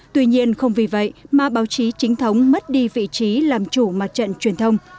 tuy nhiên không vì vậy mà báo chí chính thống mất đi vị trí làm chủ mặt trận truyền thông